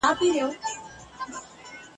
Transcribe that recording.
هسي نه سبا پښېمانه سی یارانو ..